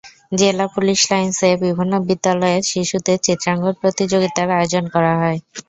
জেলা পুলিশ লাইনসে বিভিন্ন বিদ্যালয়ের শিশুদের চিত্রাঙ্কন প্রতিযোগিতার আয়োজন করা হয়।